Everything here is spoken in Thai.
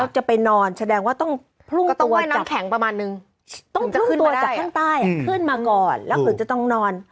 ๑๐ชั่วโมง